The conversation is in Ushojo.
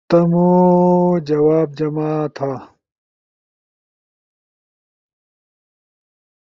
تمُو جواب جمع تھا